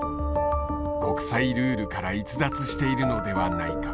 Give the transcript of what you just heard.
国際ルールから逸脱しているのではないか。